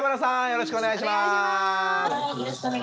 よろしくお願いします。